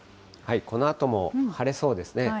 このあとも晴れそうですね。